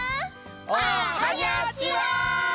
おはにゃちは！